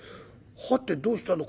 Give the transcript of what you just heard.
「はてどうしたんだ？